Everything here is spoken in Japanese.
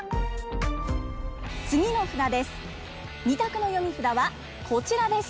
次の札です。